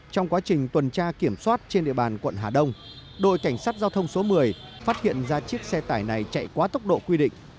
trong quá trình tuần tra kiểm soát trên địa bàn quận hà đông đội cảnh sát giao thông số một mươi phát hiện ra chiếc xe tải này chạy quá tốc độ quy định